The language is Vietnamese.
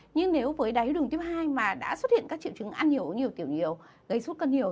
nhưng nếu với đai tháo đường tuyếp hai mà đã xuất hiện các triệu chứng ăn nhiều uống nhiều tiểu nhiều gây sút cân nhiều